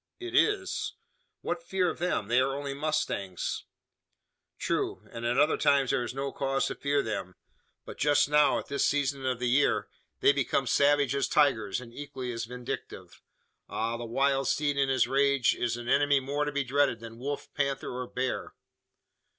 "It is." "What fear of them? They are only mustangs!" "True, and at other times there is no cause to fear them. But just now, at this season of the year, they become as savage as tigers, and equally as vindictive. Ah! the wild steed in his rage is an enemy more to be dreaded than wolf, panther, or bear."